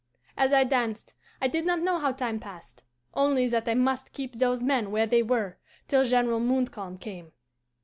"As I danced I did not know how time passed only that I must keep those men where they were till General Montcalm came.